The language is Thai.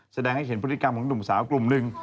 แสดงให้เห็นพฤติกรรมของหนุ่มสาวกลุ่มหนึ่ง